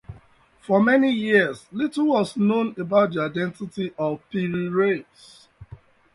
For many years, little was known about the identity of Piri Reis.